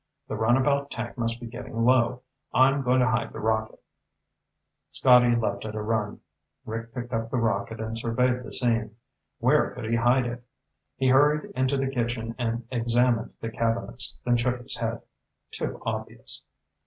The runabout tank must be getting low. I'm going to hide the rocket." Scotty left at a run. Rick picked up the rocket and surveyed the scene. Where could he hide it? He hurried into the kitchen and examined the cabinets, then shook his head. Too obvious.